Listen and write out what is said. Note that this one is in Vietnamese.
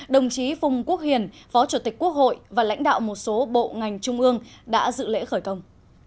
đồng chí phùng quốc hiền phó chủ tịch quốc hội và lãnh đạo một số bộ ngành trung ương đã dự lễ khởi công